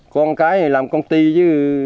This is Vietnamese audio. con cái làm công ty chứ